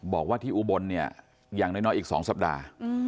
บอกว่าที่อุบลอย่างน้อยอีกสองสัปดาห์